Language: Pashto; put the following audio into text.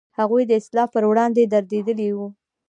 هغوی د اصلاح پر وړاندې درېدلي و.